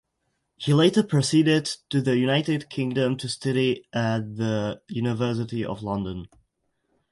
He later proceeded to the United Kingdom to study at the University of London.